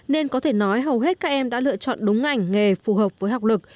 nên có thể nói hầu hết các em đã lựa chọn đúng ngành nghề phù hợp với học lực